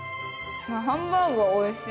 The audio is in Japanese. ハンバーグがおいしい！